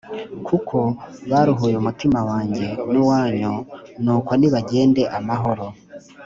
kuko baruhuye umutima wanjye n uwanyu nuko nibagende amahoro